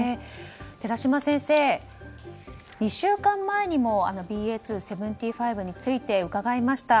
寺嶋先生、２週間前にもＢＡ．２．７５について伺いました。